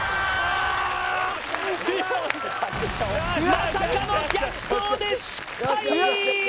まさかの逆走で失敗！